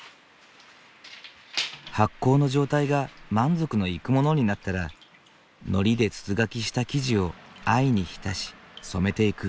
発酵の状態が満足のいくものになったらのりで筒描きした生地を藍に浸し染めていく。